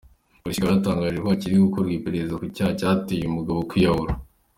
Polisi ikaba yatangaje ko hakiri gukorwa iperereza ku cyaba cyateye uyu mugabo kwiyahura.